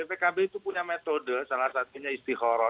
pkb itu punya metode salah satunya istihoroh